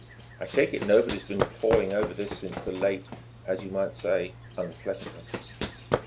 "I take it nobody's been pawing over this since the late, as you might say, unpleasantness?"